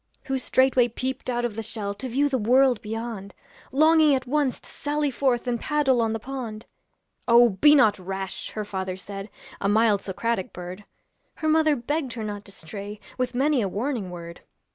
Who straightway peeped out of the shell To view the world beyond, Longing at once to sally forth And paddle on the pond. 'Oh! be not rash,' her father said, A mild Socratic bird; Her mother begged her not to stray With many a warning word.